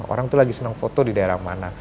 orang tuh lagi seneng foto di daerah mana